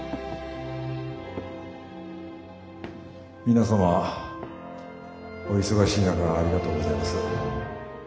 皆様お忙しい中ありがとうございます。